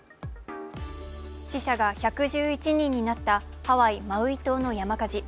死者が１１１人になったハワイ・マウイ島の山火事。